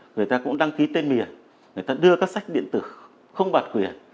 người ta cũng đăng ký tên miền người ta đưa các sách điện tử không bản quyền